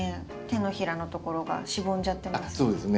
手のひらのところがしぼんじゃってますね。